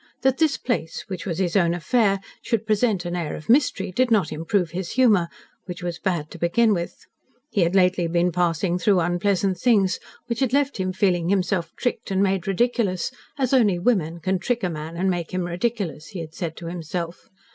That this place which was his own affair should present an air of mystery, did not improve his humour, which was bad to begin with. He had lately been passing through unpleasant things, which had left him feeling himself tricked and made ridiculous as only women can trick a man and make him ridiculous, he had said to himself.